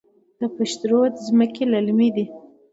د پشت رود ځمکې للمي دي